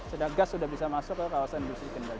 sudah gas sudah bisa masuk ke kawasan industri kendaraan